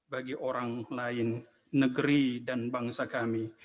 bagi orang lain negeri dan bangsa kami